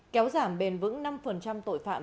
kéo giảm bền vững năm tội phạm